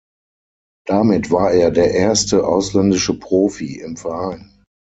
Damit war er der erste ausländische Profi im Verein.